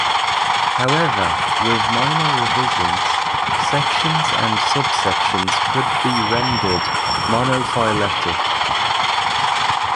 However, with minor revisions sections and subsections could be rendered monophyletic.